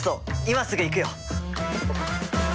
今すぐ行くよ！